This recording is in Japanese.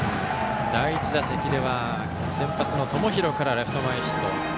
第１打席では先発の友廣からレフト前ヒット。